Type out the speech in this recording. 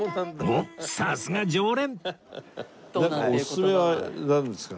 おっさすが常連